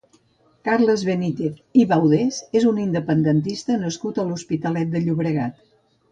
Carles Benítez i Baudés és un independentista nascut a l'Hospitalet de Llobregat.